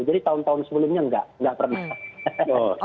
jadi tahun tahun sebelumnya tidak pernah